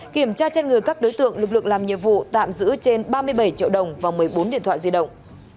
kiểm tra trên người các đối tượng lực lượng làm nhiệm vụ tạm giữ trên ba mươi bảy triệu đồng và một mươi bốn điện thoại di động